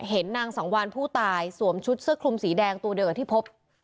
นางสังวานผู้ตายสวมชุดเสื้อคลุมสีแดงตัวเดียวกับที่พบ